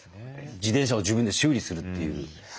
自転車を自分で修理するっていう。